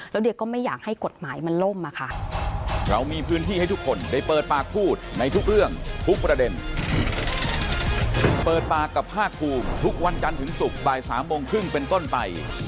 แล้วเดียก็ไม่อยากให้กฎหมายมันล่มมาค่ะ